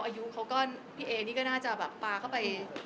อายุเขาก็พี่เอนี่ก็น่าจะแบบปลาเข้าไป